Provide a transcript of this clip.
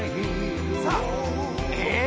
さあえっ？